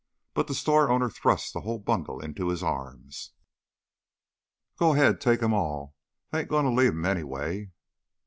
But the store owner thrust the whole bundle into his arms. "Go ahead, take 'em all! They ain't goin' to leave 'em, anyway."